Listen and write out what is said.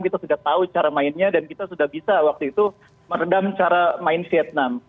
kita sudah tahu cara mainnya dan kita sudah bisa waktu itu meredam cara main vietnam